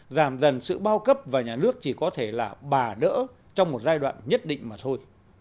giảm dần sự bao cấp và nhà nước chỉ có thể là bà đỡ trong một giai đoạn nhất định mà thôi